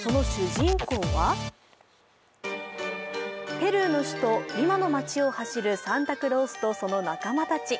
ペルーの首都リマの街を走るサンタクロースとその仲間たち。